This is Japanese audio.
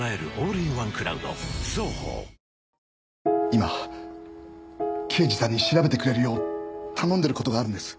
今刑事さんに調べてくれるよう頼んでる事があるんです。